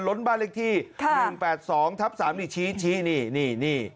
ล้นบ้านเลขที่๑๘๒ทับ๓นี่ชี้นี่นี่